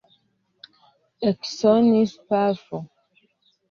Eksonis pafo.